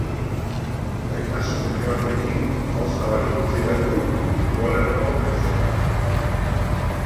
Gaitasun berri batekin aho zabalik utzi gaitu futbolerko izarrak.